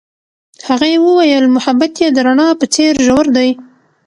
هغې وویل محبت یې د رڼا په څېر ژور دی.